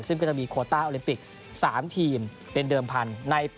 ซึ่งก็จะมีโคต้าโอลิมปิก๓ทีมเป็นเดิมพันธุ์